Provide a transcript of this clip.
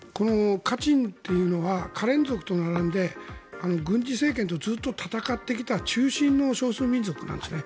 カチンというのはカレン族と並んで軍事政権とずっと戦ってきた中心の少数民族なんですね。